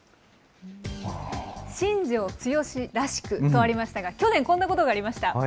新庄剛志らしくとありましたが、去年、こんなことがありました。